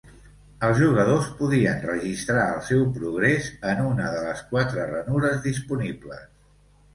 Els jugadors podien registrar el seu progrés en una de les quatre ranures disponibles.